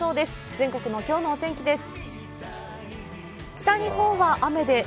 全国のきょうのお天気です。